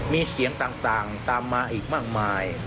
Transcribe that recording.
มีเสียงต่างตามมาอีกมากมาย